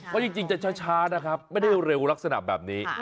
เพราะจริงจะช้านะครับไม่ได้เร็วลักษณะแบบนี้